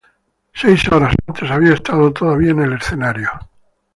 Seis horas antes había estado todavía en el escenario.